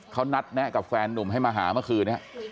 เขานัดแนะกับแฟนนุ่มให้มาหาเมื่อคืนนี้